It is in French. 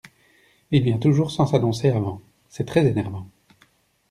Il vient toujours sans s’annoncer avant, c’est très énervant.